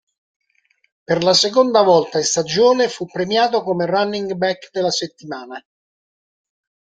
Per la seconda volta in stagione fu premiato come running back della settimana.